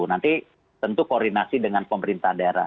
nanti tentu koordinasi dengan pemerintah daerah